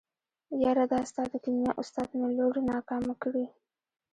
يره دا ستا د کيميا استاد مې لور ناکامه کړې.